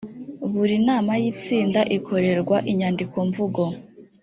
buri nama y itsinda ikorerwa inyandikomvugo